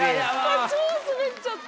超スベっちゃった！